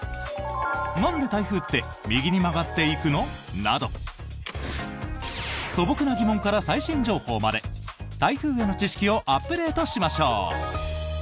なんで台風って右に曲がっていくの？など素朴な疑問から最新情報まで台風への知識をアップデートしましょう。